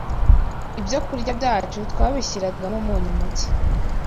Ibyokurya byacu twabishyiragamo umunyu muke